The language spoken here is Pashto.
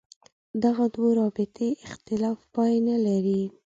دغو دوو رابطې اختلاف پای نه لري.